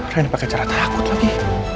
rena pake cara takut lagi